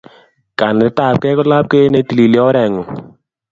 Kanetetapkei ko lapkeiyet ne itilili orengung